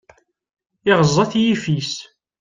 Iɣeẓẓa-t yiffis.